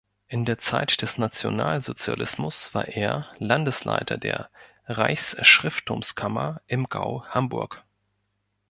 In der Zeit des Nationalsozialismus war er Landesleiter der Reichsschrifttumskammer im „Gau Hamburg“.